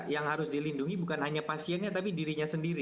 yang harus dilindungi bukan hanya pasiennya tapi dirinya sendiri